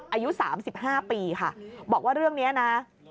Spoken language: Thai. อายุ๓๕ปีค่ะบอกว่าเรื่องนี้นะ